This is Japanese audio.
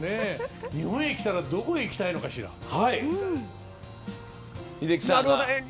日本に来たらどこに行きたいのかしら？